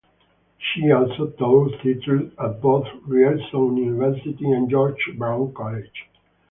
She also taught theatre at both Ryerson University and George Brown College.